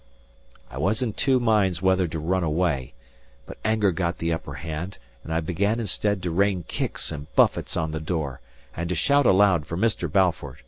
I was in two minds whether to run away; but anger got the upper hand, and I began instead to rain kicks and buffets on the door, and to shout out aloud for Mr. Balfour.